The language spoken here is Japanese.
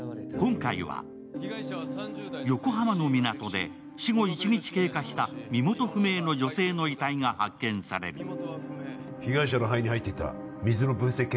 今回は横浜の港で死後一日経過した、身元不明の女性の遺体が発見される。